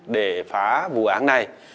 để phá vụ án này